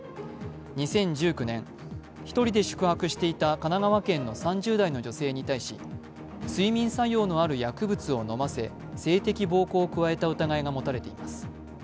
２０１９年、１人で宿泊していた神奈川県の３０代の女性に対し睡眠作用のある薬物を飲ませ性的暴行を加えた疑いが持たれています。